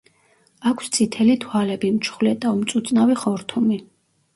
აქვს წითელი თვალები, მჩხვლეტავ-მწუწნავი ხორთუმი.